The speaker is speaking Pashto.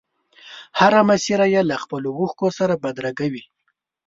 هره مسره یې له خپلو اوښکو سره بدرګه وي.